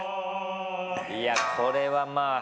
いや、これは、まあ。